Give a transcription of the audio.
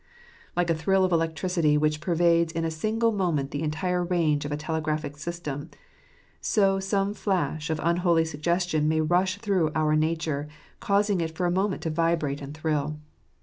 Like a thrill of electricity which pervades in a single moment the entire range of a telegraphic . system, so some flash of unholy suggestion may rush through our nature, causing it for a moment to vibrate and thrill.